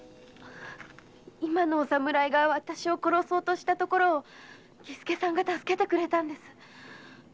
今のお侍がわたしを殺そうとしたところを儀助さんが助けてくれたんです。